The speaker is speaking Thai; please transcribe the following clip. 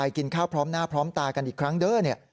กินข้าวพร้อมหน้าพร้อมตากันอีกครั้งเด้อ